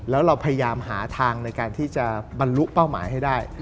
แล้วเราพยายามหาทางในการที่จะบรรลุเป้าหมายให้ได้